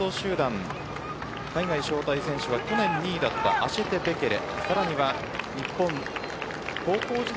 海外招待選手は去年２位だったアシェテ・ベケレ。